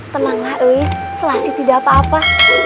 tenanglah louis selasi tidak apa apa